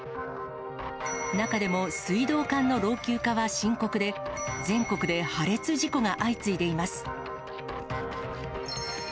中でも水道管の老朽化は深刻で、全国で破裂事故が相次いでいます。